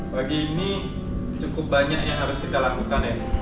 pagi ini cukup banyak yang harus kita lakukan ya